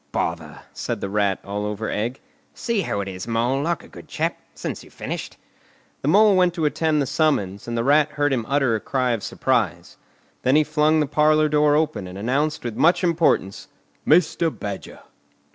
"Bother!" said the Rat, all over egg. "See who it is, Mole, like a good chap, since you've finished." The Mole went to attend the summons, and the Rat heard him utter a cry of surprise. Then he flung the parlour door open, and announced with much importance, "Mr. Badger!"